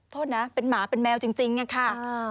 โทษนะเป็นหมาเป็นแมวจริงอะค่ะ